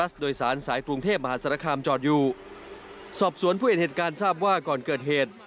สอบสวนผู้เห็นเหตุการณ์ทราบว่าก่อนเกิดเหตุ